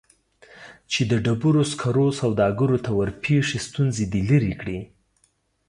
چې د ډبرو سکرو سوداګرو ته ورپېښې ستونزې دې لیرې کړي